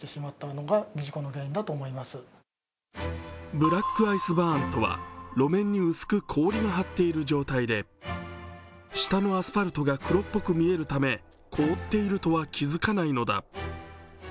ブラックアイスバーンとは路面に薄く氷が張っている状態で下のアスファルトが黒っぽく見えるため凍っているとは気付かないのだ。